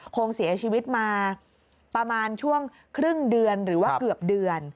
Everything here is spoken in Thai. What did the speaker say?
คงเสียชีวิตมาประมาณช่วงครึ่งเดือนหรือว่าเกือบเดือน